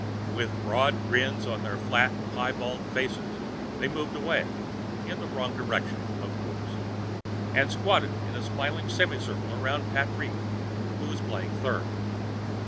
With broad grins on their flat, piebald faces, they moved away in the wrong direction, of course and squatted in a smiling semicircle around Pat Reed, who was playing third.